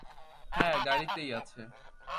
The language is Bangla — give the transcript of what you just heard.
হ্যাঁ, গাড়িতেই আছে।